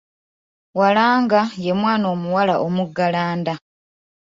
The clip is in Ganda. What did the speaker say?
Walaanga ye mwana omuwala omuggalanda.